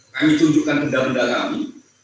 kami tunjukkan benda benda kami